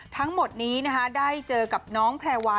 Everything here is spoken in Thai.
ทั้งหมดนี้ได้เจอกับน้องแพรวา